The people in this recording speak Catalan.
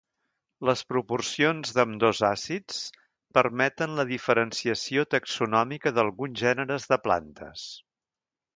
Les proporcions d'ambdós àcids permeten la diferenciació taxonòmica d'alguns gèneres de plantes.